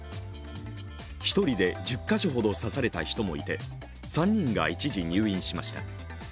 １人で１０か所ほど刺された人もいて３人が一時入院しました。